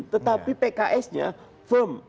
tetapi pksnya firm